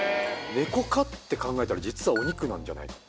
ネコ科って考えたら実はお肉なんじゃない？